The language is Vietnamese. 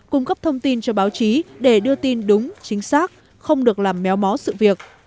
cung cấp thông tin cho báo chí để đưa tin đúng chính xác không được làm méo mó sự việc